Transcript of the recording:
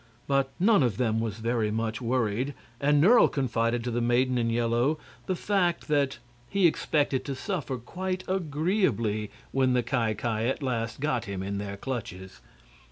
But none of them was very much worried, and Nerle confided to the maiden in yellow the fact that he expected to suffer quite agreeably when the Ki Ki at last got him in their clutches.